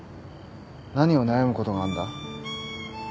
何を悩むことがあんだ？